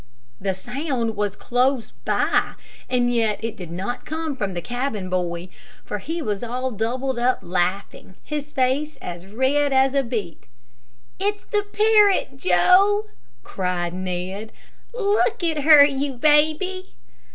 The sound was close by, and yet it did not come from the cabin boy, for he was all doubled up laughing, his face as red as a beet. "It's the parrot, Joe!" cried Ned. "Look at her, you gaby."